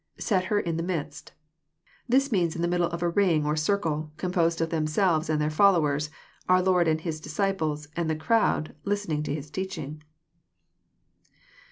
[8et her in the mid8t,'\ This means In the middle of a ring or circle, composed of themselves and their followers, our Lord and His disciples, and the crowd listening to His teaching.